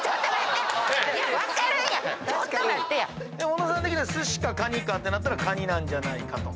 尾野さん的にすしかカニかってなったらカニなんじゃないかと。